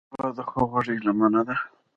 هېواد د خواخوږۍ لمنه ده.